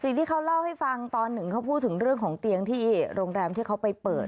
สิ่งที่เขาเล่าให้ฟังตอนหนึ่งเขาพูดถึงเรื่องของเตียงที่โรงแรมที่เขาไปเปิด